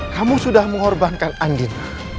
kamu sudah mengorbankan andin